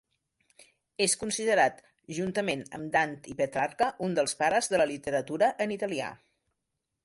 És considerat, juntament amb Dant i Petrarca, un dels pares de la literatura en italià.